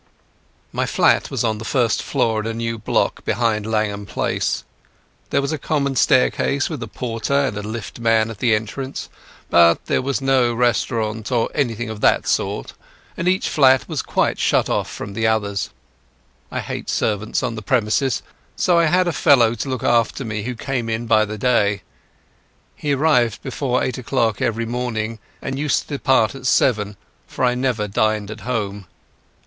My flat was the first floor in a new block behind Langham Place. There was a common staircase, with a porter and a liftman at the entrance, but there was no restaurant or anything of that sort, and each flat was quite shut off from the others. I hate servants on the premises, so I had a fellow to look after me who came in by the day. He arrived before eight o'clock every morning and used to depart at seven, for I never dined at home.